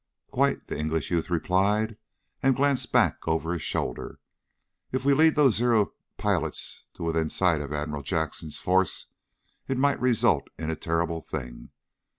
"Quite!" the English youth replied, and glanced back over his shoulder. "If we lead those Zero pilots to within sight of Admiral Jackson's force, it might result in a terrible thing.